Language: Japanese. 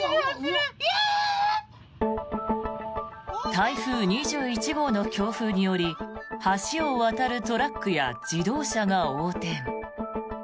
台風２１号の強風により橋を渡るトラックや自動車が横転。